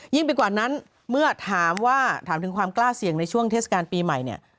ตอนนั้นเมื่อถามถึงความกล้าเสี่ยงในช่วงเทศกาลปีใหม่เนี่ย